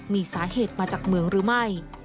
มีสาเหตุมาจากเมืองหรือไม่